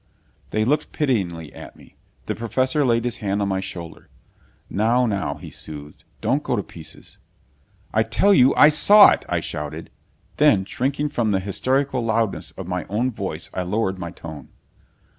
They looked pityingly at me. The Professor laid his hand on my shoulder. "Now, now," he soothed, "don't go to pieces " "I tell you I saw it!" I shouted. Then, shrinking from the hysterical loudness of my own voice, I lowered my tone.